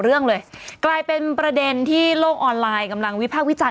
เรื่องเลยกลายเป็นประเด็นที่โลกออนไลน์กำลังวิพากษ์วิจารณ